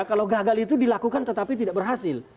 kalau gagal itu dilakukan tetapi tidak berhasil